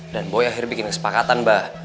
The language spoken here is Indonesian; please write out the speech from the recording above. dan boy akhirnya bikin kesepakatan ba